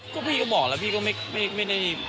ก็จะบอกครั้งนั้น